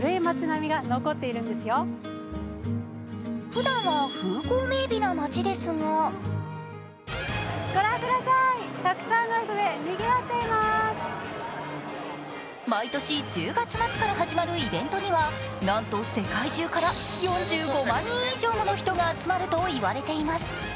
ふだんは風光明美な街ですが毎年１０月末から始まるイベントにはなんと世界中から４５万人以上もの人が集まると言われています。